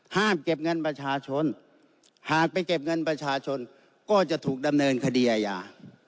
เก็บเงินประชาชนหากไปเก็บเงินประชาชนก็จะถูกดำเนินคดีอาญา